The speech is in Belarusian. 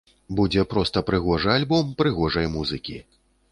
Будзе проста прыгожы альбом прыгожай музыкі.